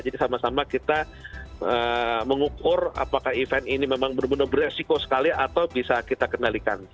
sama sama kita mengukur apakah event ini memang benar benar beresiko sekali atau bisa kita kendalikan